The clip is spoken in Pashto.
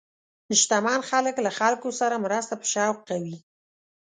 شتمن خلک له خلکو سره مرسته په شوق کوي.